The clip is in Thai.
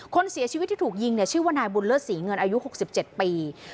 คนเสียชีวิตที่ถูกยิงเนี่ยชื่อว่านายบุญเลิศศรีเงินอายุ๖๗ปี